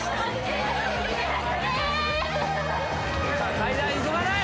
階段急がない！